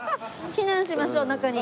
避難しましょう中に。